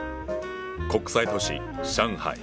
国際都市上海。